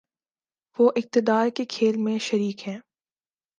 وہ اقتدار کے کھیل میں شریک ہیں۔